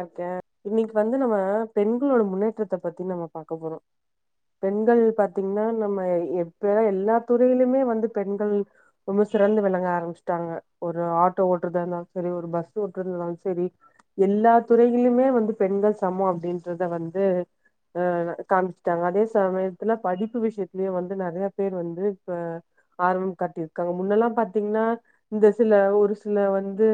அப்டியா இன்னிக்கு வந்து நம்ம பெண்களோட முன்னேற்றத்த பத்தி நம்ம பாக்க போறோ பெண்கள் பாத்தீங்ன்னா நம்ம எ எப்ப எல்லா துறையிலிமே வந்து பெண்கள் ரொம்ப சிறந்து விளங்க ஆரம்பிச்ட்டாங்க ஒரு ஆட்டோ ஓட்றதா இருந்தாலு செரி ஒரு பஸ் ஓட்றததந்தாலும் செரி எல்லா துறைகிள்லிமே வந்து பெண்கள் சமோ அப்டின்றத வந்து அ ந காம்ச்ட்டாங்க அதே சமயத்துல படிப்பு விஷ்யத்திலயு வந்து நறைய பேர் வந்து இப்ப ஆர்வம் காட்டிருக்காங் முன்னெல்லா பாத்தீங்ன்னா இந்த சில ஒரு சில வந்து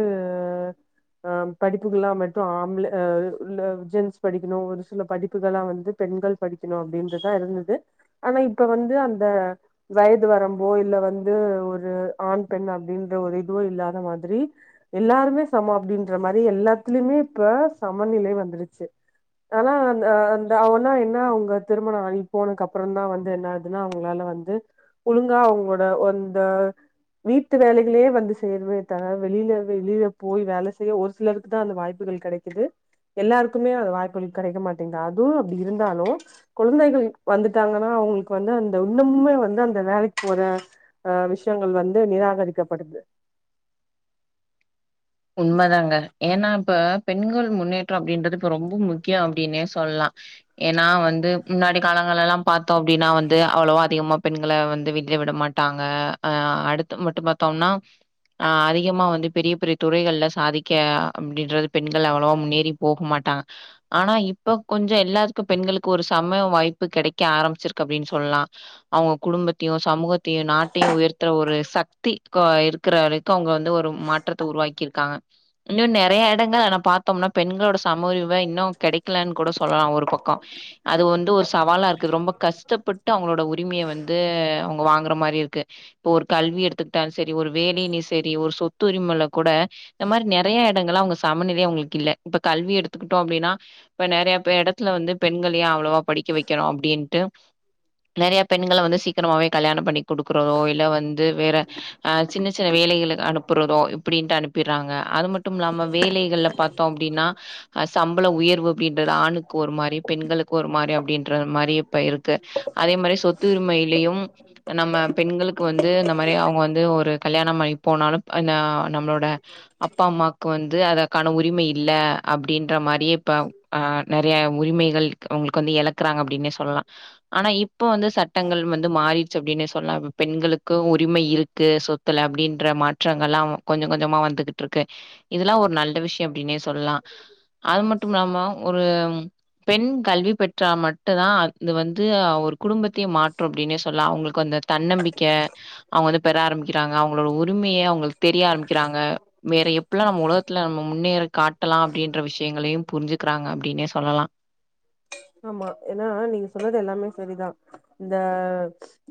அ படிப்புகள்லா மெ த்து ஆம்ளே அ ல்ல ஜென்ஸ் படிக்குணு ஒரு சில படிப்புகளா வந்து பெண்கள் படிக்குணு அப்டின்றதா இருந்துது ஆனா இப்ப வந்து அந்த வயது வரம்போ இல்ல வந்து ஒரு ஆண் பெண் அப்டின்ற ஒரு இதுவு இல்லாத மாதிரி எல்லாருமே சமோ அப்டின்ற மாரி எல்லாத்லிமே இப்ப சமநிலை வந்துருச்சு ஆனா அந் அந்த அவுனா என்னா அவுங்க திருமணோ அழிப்போன கப்புறந் தா வந்து என்ன ஆதுன்னா அவுங்ளால வந்து ஒழுங்கா அவுங்ளோட ஒந்த வீட்டு வேலைகளியே வந்து செய்யணுமே தர வெளியில வெளியில போய் வேல செய்ய ஒரு சிலருக்குத்தா அந்த வாய் ப்புகள் கெடைக்குது எல்லாருக்குமே அத வாய்ப்புகள் கெடைக்க மாட்டிங்குது அதுவு அப்டி இருந்தாலு குழந்தைகள் வந்துட்டாங்கனா அவுங்குளுக்கு வந்து அந்த இன்னமுமே வந்து அந்த வேலைக் போற அ விஷ்யங்கள் வந்து நிராகரிக்கப்படுது உண்ம தாங்க ஏன்னா இப்ப பெண்கள் முன்னேற்றோ அப்டின்றது இப்ப ரொம்ப முக்கியோ அப்டினே சொல்லா ஏன்னா வந்து முன்னாடி காலங்கள்லெல்லா பாத்தோ அப்டினா வந்து அவ்வளவா அதிகமா பெண்கள வந்து வீட்லே விட மாட்டாங்க அ அடுத்து மட்டும் பாத்தோம்னா அ அதிகமா வந்து பெரிய பெரிய துறைகள்ல சாதிக்க அப்டின்றது பெண்கள் அவ்வளவா முன்னேறி போக மாட்டாங்க ஆனா இப்ப கொஞ்சொ எல்லாத்துக்கு பெண்களுக்கு ஒரு சமய வாய்ப்பு கெடைக்க ஆரம்பிச்சிருக்கு அப்டின்னு சொல்லா அவங்க குடும்பத்தையு சமூகத்தையு நாட்டையு உயர்த்துற ஒரு சக்தி கோ இருக்குற வரைக்கொ அவங்க வந்து ஒரு மாற்றத்த உருவாக் கி இருக்காங்க இன்னு நெறைய எடங்கள்ல நா பாத்தோம்னா பெண்களோட சம உரிம இன்னு கெடைக்கலன்னு கூட சொல்லலா ஒரு பக்கொ அது வந்து ஒரு சவாலா இருக்கு ரொம்ப கஷ்டப்பட்டு அவங்களோட உரிமைய வந்து அவங்க வாங்குற ற மாரி இருக்கு இப்பொ ஒரு கல்வி எடுத்துக்கிட்டாலு செரி ஒரு வேலையிலயு செரி ஒரு சொத்துரிமல கூட இந்த மாரி நெறைய எடங்கள்ல அவங்க சமநிலை அவங்களுக்கு இல்ல இப்ப கல்வி எடுத்துக்குட்டோம அப்டின்னா இப்ப நெறைய பெ எடத்துல வந்து பெண்கள் யே அவ்வளவா படிக்க வைக்கணு அப்டின்ட்டு நெறைய பெண்கள வந்து சீக்கிரமாவே கல்யாண பண்ணி கொடுக்குறதோ இல்ல வந்து வேற ஆஹ் சின்ன சின்ன வேலைகளு அனுப்புறதோ அப்டின்டு அனுப்பிறாங்க அது மட்டும் இல்லாம வேலைகள்ல பாத்தோ அப்டின்னா அ சம்பள உயர்வு அப்டின்றது ஆணுக்கு ஒரு மாரி பெண்களுக்கு ஒரு மாரி அபடின்ற மாரி இப்ப இருக்கு அதே மாரி சொத்து உரிமையிலயும் நம்ம பெண்களுக்கு வந்து இந்த மாரி அவங்க வந்து ஒரு கல்யாணம் அயி போனாலும்ப் என்ன நம்மளோட அப்பா அம்மாக்கு வந்து அதக்கான உரிம இல்ல அப்டின்ற மாரியே இப்ப ஆஹ் நெறைய உரிமைகள் அவங்களுக்கு வந்து எழக்குறாங்க அப்டின்னே சொல்லா ஆனா இப் ப வந்து சட்டங்கள் வந்து மாறிடுச்சு அப்டின்னே ச் சொல்லா பெண்களுக்கு உரிமை இருக்கு சொத்துல அப்டின்ற மாற்றங்கள்லா கொஞ்சொ கொஞ்சமா வந்துகுட்ருக்கு இதுல்லா ஒரு நல்ல விஷ் ய அப்டின்னே சொல்லா அது மட்டும் இல்லாம ஒரு ம் பெண் கல்வி பெற்றா மட்டு தா அது வந்து ஒரு குடும்பத்தையே மாற்று அப்டின்னே சொல்லா அவங்களுக்கு அந்த தன்னம்பிக்க அவங்க வந்து பெற ஆரம்பிக்கிறாங்க அவங்களோட உரிமைய அவங்களுக் தெரிய ஆரம்பிக்கிறாங்க வேற எப்பல்லா நம்ம உலகத்துல நம்ம முன்னேற காட்டலா அப்டின்ற விஷயங்களையு புரிஞ்சுக்குறாங்க அப்டின்னே சொல்லலா ஆமா ஏனா நீங்க சொன்னது எல்லாமே சரிதா இந்த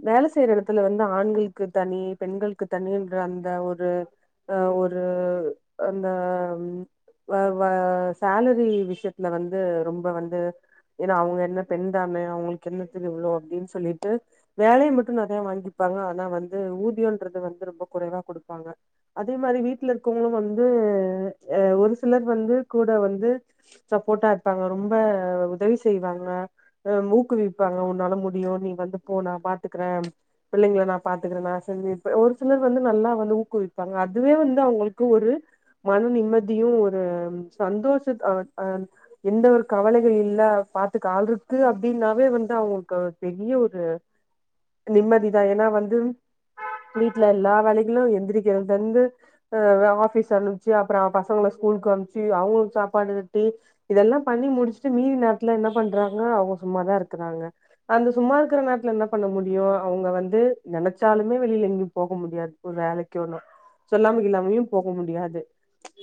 வேல செய்யற எடத்துல வந்து ஆண்களுக்கு தனி பெண்களுக்கு தனின்ற அந்த ஒரு அஹ் ஒரு அந்த ம் வ வா சோலரில் விஷ்யத்துல வந்து ரொம்ப வந்து எனா அவங்க என்ன பெண் தானே அவங்களுக்கு என்ன தெரியு இவ்ளோ அப்டின் சொல்லிட்டு வேலைய மட்டு நெறைய வாங்கிப்பாங்க ஆனா வந்து ஊதியொன்றது வந்து ரொம்ப கொறைவா குடுப்பாங்க அதே மாரி வீட்டுல இருக்கவங்களு வந்து அ ஒரு சிலர் வந்து கூட வந்து சப்போர்ட்டா இருப்பாங்க ரொம்ப உதவிச் செய்வாங்க உ ஊக்குவிப்பாங்க உன்னால முடியு நீ வந்து போ நா பாத்துக்குற பிள்ளைங்கல நா பாத்துக்குறே நா செஞ்சுத் ஒரு சிலர் வந்து நல்லா வந்து ஊக்குவிப்பாங்க அதுவே வந்து அவங்களுக்கு ஒரு மன நிம்மதியு ஒரு சந்தோஷத் அ ஆ எந்த ஒரு கவலைகள் இல்லா பாத்துக்கு ஆள்ருக்கு அப்டின்னாவே வந்து அவங்கக்கு பெரிய ஒரு நிம்மதிதா எனா வந்து வீட்டுல எல்லா வேலைகளு எந்திரிக்க தந்து அஹ் வ ஹாஃபீஸ் அனுப்புச்சு அப்புறொ பசங்கள ஸ்கூலுக்கு அனுப்ச்சு அவங்களுக் சாப்பாடு கட்டி இதெல்லா பண்ணி முடிச்ட்டு மீ நேர துல என்ன பண்றாங்க அவங்க சும்மாதா இருக்குறாங்க அந்த சும்மா இருக்குற நேரத்ல என்ன பண்ண முடியு அவங்க வந்து நெனச்சாலுமே வெளியில எங்கியு போக முடியாது ஒரு வேலைக்கு ஒன்னு சொல்லாம கில்லாமையு போக முடியாது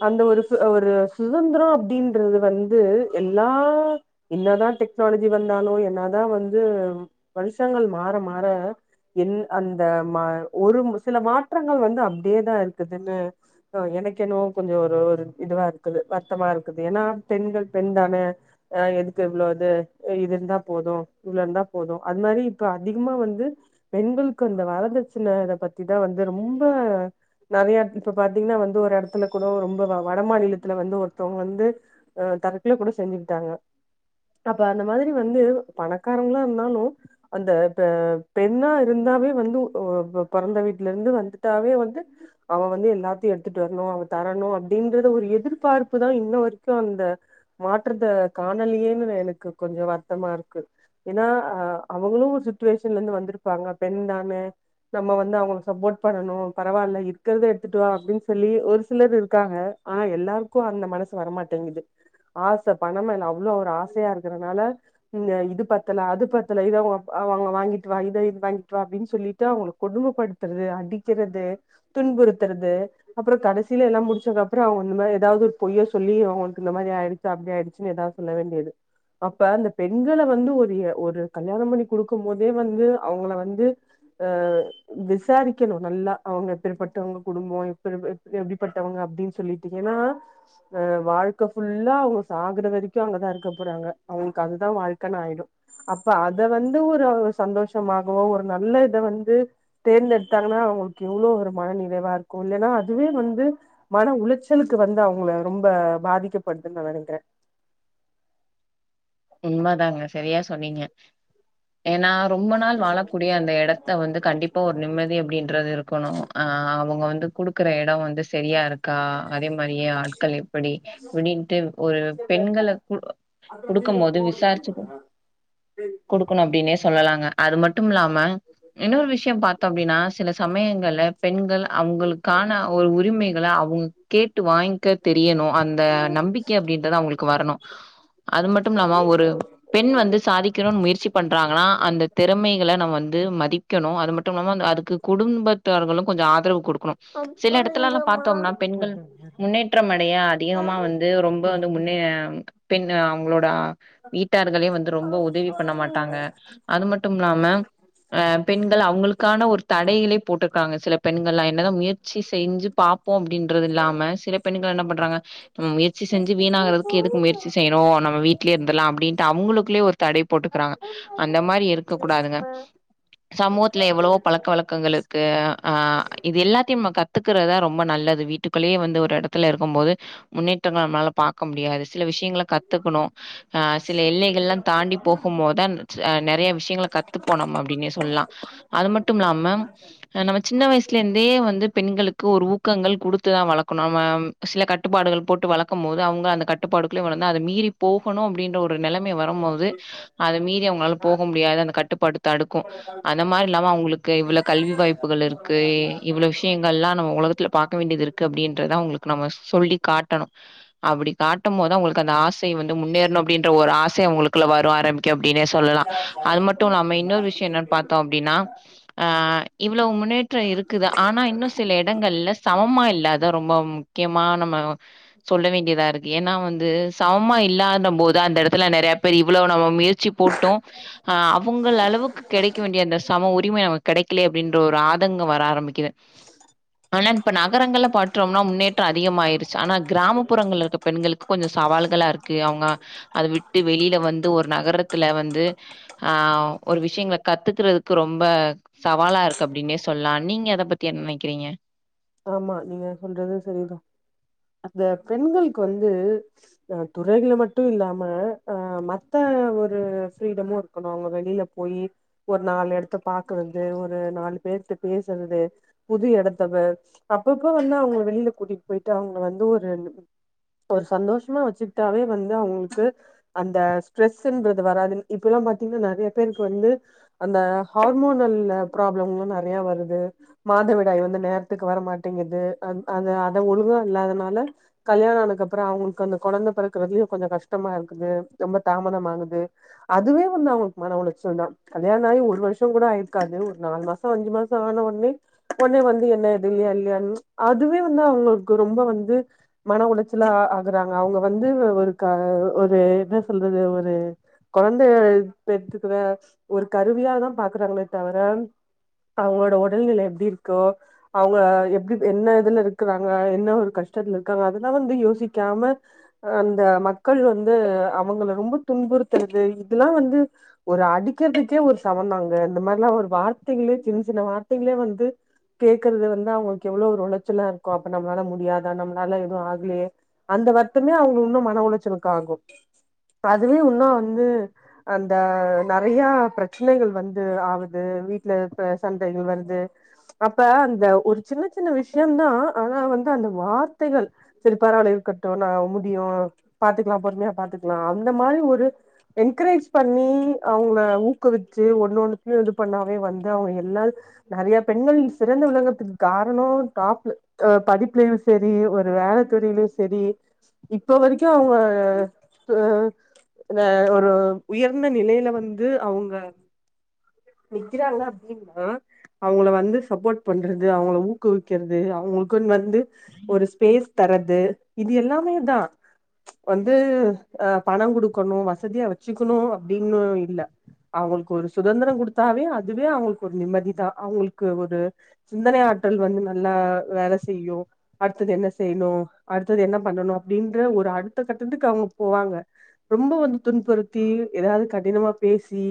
அந்த ஒரு ஃப் ஒரு சுதந்திரொ அப்டின்றது வந்து எல்லா என்னதா டெக்னாலஜி வந்தாலு என்ன தா வந்து வருஷங்கள் மாற மாற என் அந்த மா ஒரும் சில மாற்றங்கள் வந்து அப்டியேதா இருக்குதுன்னு அ எனக்கு என்னவோ கொஞ்சொ ஒரு ஒரு இதுவா இருக்குது வருத்தமா இருக்குது எனா பெண்கள் பெண் தானே அஹ் இது க்கு இவ்வள இது அ இது இருந்தா போது இவ்வளவு இருந்தா போது அது மாரி இப்ப அதிகமா வந்து பெண்களுக்கு அந்த வரதட்சின இத பத்திதா வந்து ரொம்ப நேறைய இப்பொ பாத்தீங்கன்னா வந்து ஒரு எடத்துல கூட ரொம்ப வ வட மாநிலத்துல வந்து ஒருத்தவங்க வந்து அஹ் தற்குல கூட செஞ்சுக்ட்டாங்க அப்ப அந்த மாதிரி வந்து பணக்காரங்லா இருந்தாலு அந்த இப்ப பெண்ணா இருந்தாவே வந்து ஓ இப்பொ பொறந்த வீட்ல இருந்து வந்துட்டாவே வந்து அவ வந்து எல்லாத்தையு எடுத்துட்டு வர்ணு அவ தரணு அப்டின்றத ஒரு எதிர்பார்ப்புதா இன்ன வரைக்கு அந்த மாற்றத்த காணலியே ன்னு எனக்கு கொஞ்சொ வர்த்தமா இருக்கு ஏனா ஆ அவுங்குளு சிட்வேஷன்ல இருந்து வந்துருப்பாங்க பெண் தானெ நம்ம வந்து அவுங்களுக்கு சப்போட் பண்ணணு பரவால்ல இருக்குறத எடுத்துட்டு வா அப்டின் சொல்லி ஒரு சிலர் இருக்காங்க ஆனா எல்லாருக்கு அந்த மனசு வரமாட்டேங்குது ஆச பணொமேல அவ்ளோ ஒர் ஆச் சையா இருக்குறனால இன்ன இது பத்தல அது பத்தல இது அவங்க அஹ் வ வ வாங்கிட்டு வா இது இது வாங்கிட்டு வா அப்டின் சொல்லிட்டு அவுங்கள கொடும படுத்துறது அடிக்குறது துன்புறுத்துறது அப்புறோ கடைசில எல்லா முடிச்சக்கப்புறோ அவுங்க அந்த மாரி ஏதாவது பொய்ய சொல்லி அவுங்களுக்கு இந்த மாரி ஆய்றுக்கு அப்டி ஆய்டுச்சுன்னு எதாவ் சொல்ல வேண்டியது அப்ப அந்த பெண்கள வந்து ஒரு எ ஒரு கல்யாணொ பண்ணி குடுக்கும் போதே வந்து அவுங்கள வந்து அஹ் விசாரிக்கணு நல்லா அவுங்க எப்பிடிப்பட்டவங்க குடும்போ எப்புடி எப் எப்டிப்பட்டவுங்க அப்டின் சொல்லிட்டு ஏனா வ வாழ்க்க ஃபுல்லா அவுங்க சாகுற வரிக்கு அங்கதா இருக்க போறாங்க அவுங்ளுக்கு அதுதா வாழ்க்கணு ஆயிடு அப்ப அத வந்து ஒரு அவுங்க சந்தோஷமாகவோ ஒரு நல்ல இத வந்து தேர்ந்தெடுத்தாங்கனா அவங்களுக்கு எவ்ளோ ஒரு மன நிறைவா இருக்கு இல்லேனா அதுவே வந்து மன உளைச்சலுக்கு வந்து அவுங்குள ரொம்ப பாதிக்கப்படுதுன் நா நெனைக்கிற உண்மதாங்க சரியா சொன்னீங்க ஏனா ரொம்ப நாள் வாழக்கூடிய அந்த எடத்த வந்து கண்டிப்பா ஒரு நிம்மதி அப்டின்றது இருக்கணு ஆஹ் அவுங்க வந்து குடுக்குற எடோ வந்து சரியா இரு க்கா அதே மாரியே ஆட்கள் எப்படி அப்டின்ட்டு ஒரு பெண்கள கு குடு க்கும் போது விசார்ச்சு கொ கொடுக்குணு அப்டின்னே சொல்லலாங்க அது மட்டும்மிலாம இன்னொரு விஷ்யொ பாத்தோ அப்டினா சில சமயங்கள்ல பெண்கள் அவுங்குளுக்கான ஒரு உரிமை கள அவுங் கேட்டு வாய்ங்க தெரியணு அந்த நம்பிக்க அப்டின்றது அவுங்ளுக்கு வரணு அது மட் இன்னாமா ஒரு பெண் வந்து சாதிக்கணுனு முயற்சி பண்றாங்கனா அந்த திறமைகள நம்ம வந்து மதிக்கணு அது மட்டும் இல்லாம அன் அதுக்கு குடும்பத்தார்களு கொஞ்ச ஆ உத்தரவு கொடுக்குணு செல எடத்துலலா பாத்தோம்னா பெண்கள் முன்னேற்றம் அடைய அதிகமா வந்து ரொம்ப வந்து முன்னே பின்ன அவுங்களோ டா வீட்டார்களே வந்து ரொம்ப உதவி பண்ண மாட்டாங்க அது மட்டும்மிலாம ஆ பெண்கள் அவுங்களுக்கான ஒரு தடைகிலே போட்டு காங்க சிலப் பெண்கள்லா என்னதா முயற்சி செஞ்சு பாப்போம் அப்டின்றது இல்லாம சில பெண்ணுங்கள் என்ன பண்றாங்க நம் முயற்சி செஞ்சு வீணாகறதுக்கு எதுக்கு முயற்சி செய்யணும் நம்ம வீ இர்ந்திர்லா அப்டீன்ட்டு அப் அவுங்குளுகுள்ளே ஒர் தடை போட்டுக்குறாங்க அந்த மாரி இருக்க கூடாதுங்க சமூகுத்துல எவ்வளவோ பழக்க வழக்கங்கள் இருக்கு ஆ இது எல்லாத்யும் ம கத் ஒத்துக்கறதா ரொம்ப நல்லது வீட்டுக்குள்ளே வந்து ஒரு எடத்துல இருக்கும் போது முன்னேற்றங்கள் நம்ளால பாக்க முடியாது சில விஷ்யங்கள கத்துகுணு ஆ சில எல்லைகள்லா தாண்டி போகும் போதான் ச்சு அ நெறைய விஷியங்கள கத்துப்போ நம்ம அப்டின்னே சொல்லா அது மட்டும்லாம அ நம்ம சின்ன வய்ஸ்ல இருந்தே வந்து பெண்களுக்கு ஒரு ஊக்கங்கள் குடுத்துதா வளக்கு நாம சில கட்டுப்பாடுகள் போட்டு வளக்குமோது அவுங்க அந்த கட்டுப்பாடுகுளே வளந்தா அத மீறி போகணு அப்டின்ற ஒரு நெலைமை வருமோது அத மீறி அவுங்ளால போகும் முடியாது அந்த கட்டுப்பாடு தடுக்கு அந்த மாரி இல்லாம அவுங்ளுக்கு இவ்ள கல்வி வாய்ப்புகள் இருக்கு இவ்ளோ விஷியங்ளா நம்ம உலகத்துல பாக்க வேண்டிது இருக்கு அப்டின்றத அவுங்ளுக்கு நம்ம சொல்லி காட்டணு அப்புடி காட்டுமோது அவங்களுக்கு அந்த ஆஸ் சே வந்து முன்னேர்னு அப்டின்ற ஒரு ஆச உங்களுக்குள்ள வரு ஆரமிக்கு அப்டினே சொல்லலா அது மட்டுலாம இன்னொரு விஷ்யோ என்ன பாத்தோ அப்டினா ஆ இவுளோ முன்னேற்றோ இருக்குது ஆனா இன்னு சில எடங்கள்ல சமமா இல்லாதா ரொம்ப முக்யமா ஆ நம்ம சொல்ல வேண்டியதா இரு ஏன்னா வந்து இல்லந்த போது அந்த எடத்துல நெறைய பேர் இவ்வளவு நம்ம முயற்சி போட்டோ ஹ அவங்கலளவுக்கு கெடக்க வேண்டிய அந்த சம உரிமை நமக்கு கெடை க்ளே அப்டின்ற ஒரு ஆதங்கம் வர ஆரம்பிக் கிது ஆனா இப்ப நகரங்கள்ள பற்றோம்னா முன்னேற்ற அதிகமாயிருச்சு ஆனா கிராமப்புறங்கள்ள இருக்க பெண்களுக்கு கொஞ்ச சவால்களாயிருக்கு அவங்க அத விட்டு வெளியில வந்து ஒரு நகரத்துல வந்து ஆ ஒரு விஷயங்கள கத்துக்கிற கிறதுக்கு ரொம் ரொம்ப சவாலாயிருக்கு அப்டின்னே சொல்லா நீங்க அத பத்தி என்ன நெனக்கிறீங்க ஆமா நீங்க சொல்றது சரிதா அந்த பெண்களுக்கு வந்து அ துறைகளு மட்டு இல்லாம அ மத்த ஒரு ஃப்ரீடமு இருக்கணு அவங்க வெளியில போயி ஒரு நாலு எடத்த பாத் க்கு வந்து ஒரு நாலு பேர்ட பேசுறது புது எடத்த அப்ப அப்பப்ப வந்து அவங்க வெளியில கூட்டிட் போய்ட்டு அவங்க வந்து ஒரு ஒரு சந்தோஷமா வச்சிட்டாவே வந்து அவங்களுக்கு அந்த ஸ்ட்ரெஸ்ன்றது வராது இப்ப எல்லா பாத்தீங்ன்னா நெறைய பேருக்கு வந்து அந்த ஹ ஹீமோனல்ல ப்ராப்ளம் நெறைய வருது மாதவிடாய் வந்து நேரத்துக்கு வர மாட்டேங்குது அந் அத அத ஒழுங்கா இல்லாதனால கல்யாணா னக்கப்புறோ அவங்களுக்கு அந்த கொழந்த பிறக்கறதுலயு கொஞ்சோ கஷ்டமா இருக்குது ரொம்ப தாமதம் ஆகுது அதுவே வந்து அவங்களுக்கு மன உளைச்சல் தான் கல்யாண ஆகி ஒரு வருஷம் சோ கூட ஆயிருக்காது ஒரு நாலு மாசோ அஞ்சு மாசோ ஆன உட்னே உட்னே வந்து என்னது இல்லையா இல்லையானு ச்சு அதுவே வந்து அவங்களுக்கு ரொம்ப வந்து மன உளச்சலா ஆ ஆகுறாங்க அவங்க வந்து ஒருக்கா ஒரு என்ன சொல்றது ஒரு கொழந்தயவே பெத்துக்குவ ஒரு கருவியா தா பாக் க்கிறாங்களே தவர அவங்களோட உடல்நிலை எப்டி இருக்கோ அவங்க எப்படி என்ன இதுல இருக்குறாங்க என்ன ஒரு கஷ்டத்துலயிருக்காங்க அதெல்லா வந்து யோசிக்காம அந்த மக்கள் வந்து அவங்கள ரொம்ப துன்புறுத்துறது இதெல்லா வந்து ஒரு அடிக்கிறதுக்கே ஒரு சமந்தாங் து இந்த மாரிலா ஒரு வார்த்தைகளே சின்ன சின்ன வார்த்தைகளே வந்து கேக்கறத வந்து அவங்களுக்கு எவ்ளோ ஒரு உளைச்சலா ருக்கு அப்ப நம்மளால முடியாதா நம்மளால எதுவு ஆகலையே அந்த வருத்தமே அவங்கள இன்னு மன ஒளச்சலுக்கு ஆகு அதுவே உன்னு வந்து அந்த நெறையா பிரச்சனைகள் வந்து து ஆகுது வீட்ல பெ சண்டைகள் வருது அப்ப அந்த ஒரு சின்ன சின்ன விஷ்யந்தா ஆனா வந்து அந்த வார்த்தைகள் சரி பரவால இருக்கட்டு நா முடியு பாத்துக்கலா பொறுமையா பாத்துக்கலா அந்த மாரி ஒரு என்கரேஜ் பண்ணி அவங்கள ஊக்குவிச்சு ஒ ஒன்னொன்த்தயு இது பண்ணாவே வந்து அவங்க எல்லா நெறைய பெண்கள் சிறந்து விளங்கறத்துக்கு காரணோ டாப்பு அ படிப்புலயு சரி ஒரு வேல துறையிலயு சரி இப்போ வரைக்கு அவங்க அ வெ ஒரு உயர்ந்த நிலையில வந்து அவுங்க நிக்கிறாங்க அப்டின்னா அவங்கள வந்து சப்போட் பண்றது அவங்கள ஊக்குவிக்கிறது அவங்களுக்குன்னு வந் ந்து ஒரு ஸ்பேஸ் தரது இது எல்லாமேதா வந்து அ பணம் குடுக்கணு வசதியா வச்சுக்கணு அப்டின்னு இல்ல அவங்களுக்கு ஒரு சுதந்திரொ குடுத்தாவே அதுவே அவங்களுக்கு ஒரு நிம்மதிதா அவங்களுக்கு ஒரு சிந்தனை ஆற்றல் வந்து நல்லா வேல செய்யு அடுத்தது என்ன செய்ணு அடுத்தது என்ன பண்ணணு அப்டின்ற ஒரு அடுத்த கட்டத்துக்கு அவங்க போவாங்க ரொம்ப வந்து துன்புறுத்தி எதயாவ்து கடினமா பேசி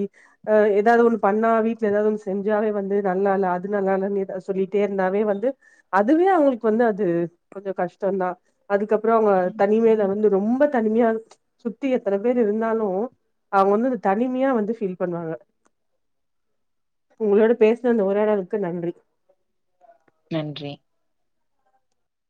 அ எதாவ்து ஒன்னு பண்ணா வீட்ல எதாவ்து ஒன்னு செஞ்சாவே வந்து நல்லால அது நல்லாலன்னு எதா சொல்லிட்டே இருந்தாவே வந்து அதுவே அவங்களுக்கு வந்து அது கொஞ்சொ கஷ்டந்தா அதுக்கப்பறொ அவங்க தனிமைல வந்து ரொம்ப தனிமையா சுத்தி எத்தன பேர் இருந்தாலு அவங்க வந்து இந்த தனிமையா வந்து ஃபீல் பண்ணுவாங்க உங்களோட பேசுன இந்த உரையாடலுக்கு நன்றி நன்றி